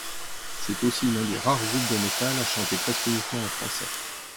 C'est aussi l'un des rares groupes de metal à chanter presque uniquement en français.